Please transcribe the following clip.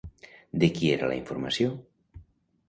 De qui era la informació?